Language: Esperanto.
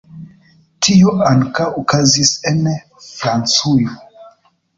Tio ankaŭ okazis en Francujo.